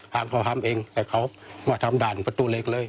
พ่อทำเองแต่เขามาทำด่านประตูเหล็กเลย